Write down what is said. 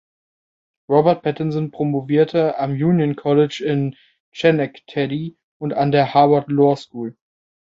Robert Patterson promovierte am Union College in Schenectady und an der Harvard Law School.